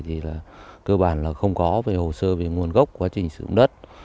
thì cơ bản là không có hồ sơ về nguồn gốc quá trình sử dụng đất